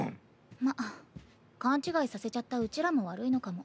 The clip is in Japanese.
まっ勘違いさせちゃったうちらも悪いのかも。